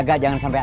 saya punya precis